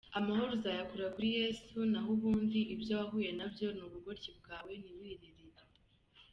amahoro uzayakura kuri yesu nah’ubundi ibyo wahuye nabyo ni ubugoryi bwawe ntiwiririre.